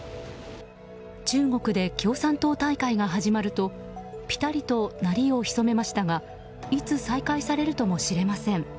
中国で共産党大会が始まるとぴたりと鳴りを潜めましたがいつまた再開されるともしれません。